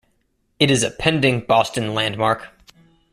It is a pending Boston Landmark.